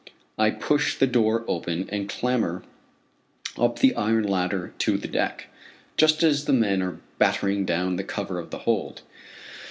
I push the door open and clamber up the iron ladder to the deck, just as the men are battening down the cover of the hold.